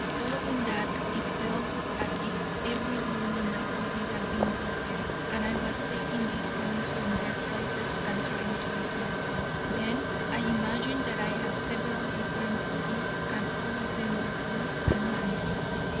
Following that, it felt as if every bone in my body had been broken, and I was taking these bones from their places and trying to repair them. Then I imagined that I had several different bodies, and all of them were bruised and mangled.